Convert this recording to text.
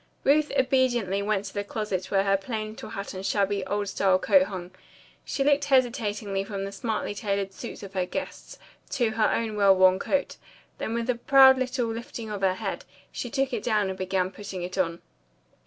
Ruth obediently went to the closet where her plain little hat and shabby, old style coat hung. She looked hesitatingly from the smartly tailored suits of her guests to her own well worn coat, then with a proud little lifting of her head, she took it down and began putting it on.